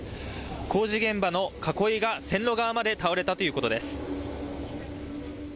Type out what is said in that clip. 工事現場の囲いが線路側まで倒れたということです。